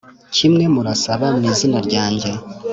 kimwe murasaba mu izina ryanjye